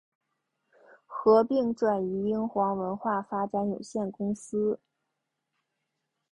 合并移转英皇文化发展有限公司。